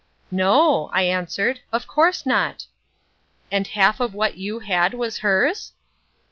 "No," I answered, "of course not." "And half of what you had was hers?"